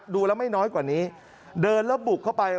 ดูแล้วไม่น้อยกว่านี้เดินแล้วบุกเข้าไป